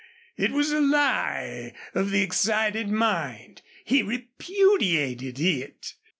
It was a lie of the excited mind. He repudiated it.